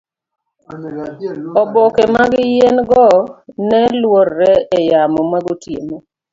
oboke mag yien go neluorre e yamo magotieno